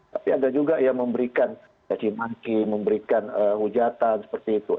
tapi ada juga yang memberikan cacimaki memberikan hujatan seperti itu